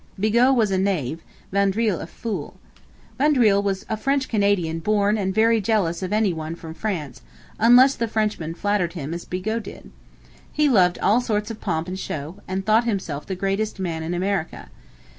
Bigot was a knave, Vaudreuil a fool. Vaudreuil was a French Canadian born and very jealous of any one from France, unless the Frenchman flattered him as Bigot did. He loved all sorts of pomp and show, and thought himself the greatest man in America.